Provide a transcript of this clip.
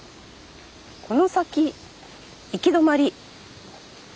「この先行き止まり」。